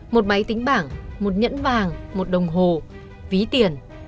một máy tính bảng một nhẫn vàng một đồng hồ ví tiền